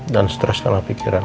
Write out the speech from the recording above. dan stress karena pikiran